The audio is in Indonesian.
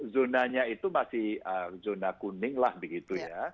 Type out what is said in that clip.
zonanya itu masih zona kuning lah begitu ya